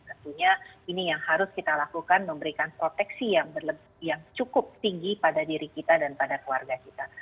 tentunya ini yang harus kita lakukan memberikan proteksi yang cukup tinggi pada diri kita dan pada keluarga kita